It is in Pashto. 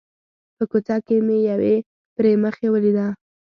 په کوڅه کې مې یوې پري مخې ولیده.